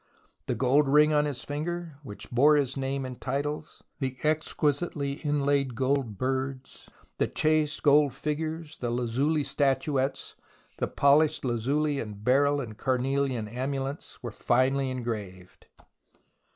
The gold ring on his finger which bore his name and titles, the ex 7 98 THE ROMANCE OF EXCAVATION quisitely inlaid gold birds, the chased gold figures, the lazuli statuettes, the polished lazuli and beryl and carnelian amulets finely engraved."